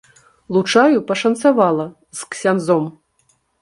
Лучаю пашанцавала з ксяндзом!